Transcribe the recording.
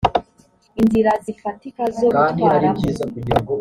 inzira zifatika zo gutwaramo